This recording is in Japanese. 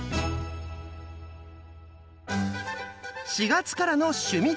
４月からの「趣味どきっ！」。